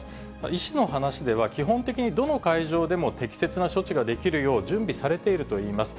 医師の話では、基本的にどの会場でも適切な処置ができるよう、準備されているといいます。